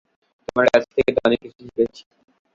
তোমার কাছ থেকে তো অনেক কিছুই শিখেছি।